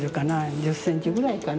１０センチぐらいかな。